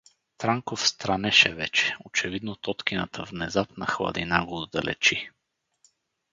Транков странеше вече, очевидно Тоткината внезапна хладина го отдалечи.